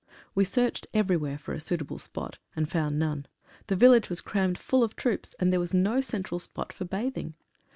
We searched everywhere for a suitable spot, and found none. The village was crammed full of troops, and there was no central spot for bathing.